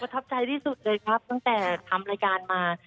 ทับใจที่สุดเลยครับตั้งแต่ทำรายการมา